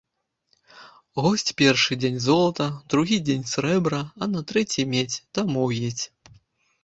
Госць першы дзень ‒ золата, другі дзень ‒ срэбра, а на трэці ‒ медзь, дамоў едзь!